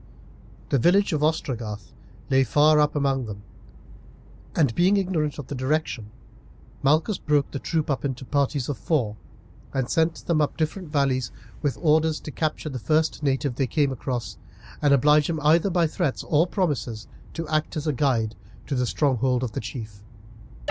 The village of Ostragarth lay far up among them, and, being ignorant of the direction, Malchus broke the troop up into parties of four, and sent them up different valleys with orders to capture the first native they came across, and oblige him either by threats or promises to act as a guide to the stronghold of the chief.